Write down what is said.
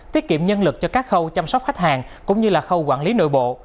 tiết kiệm nhân lực cho các khâu chăm sóc khách hàng cũng như là khâu quản lý nội bộ